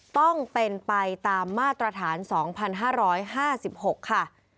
ต้องเป็นไปตามมาตรฐาน๒๕๕๖ค่ะ